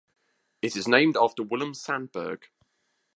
It is named after Willem Sandberg.